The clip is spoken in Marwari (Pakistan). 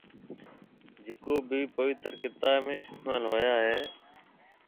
جڪو ڀِي پويتر ڪتاب ۾ اِستعمال هويا هيَ۔